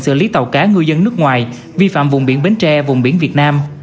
xử lý tàu cá ngư dân nước ngoài vi phạm vùng biển bến tre vùng biển việt nam